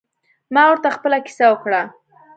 ما ورته خپله کیسه وکړه.